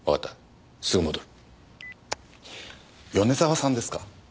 米沢さんですか？